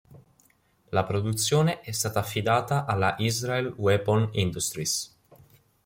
La produzione è stata affidata alla Israel Weapon Industries.